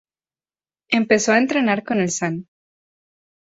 Empezó a entrenar con el St.